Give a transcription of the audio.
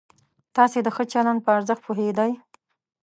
تاسې د ښه چلند په ارزښت پوهېدئ؟